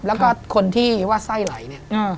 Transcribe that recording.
แล้วก็คนที่ว่าไส้ไหลเนี่ย